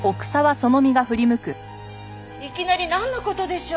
いきなりなんの事でしょう？